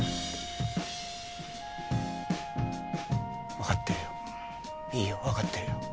分かってるよいいよ分かってるよ